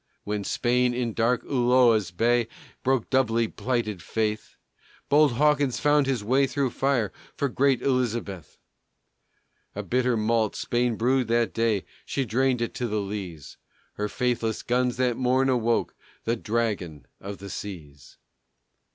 When Spain, in dark Ulloa's bay, Broke doubly plighted faith, Bold Hawkins fought his way through fire For great Elizabeth. A bitter malt Spain brewed that day She drained it to the lees; Her faithless guns that morn awoke The Dragon of the Seas.